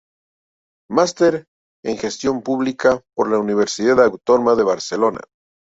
Master en Gestión Pública por la Universidad Autónoma de Barcelona.